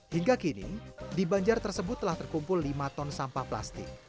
hingga kini di banjar tersebut telah terkumpul lima ton sampah plastik